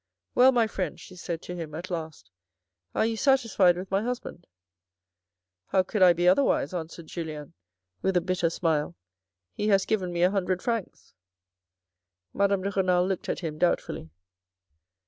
" Well, my friend," she said to him at last, " are you satisfied with my husband ?"" How could I be otherwise," answered Julien, with a bitter smile, " he has given me a hundred francs." Madame de Renal looked at him doubtfully.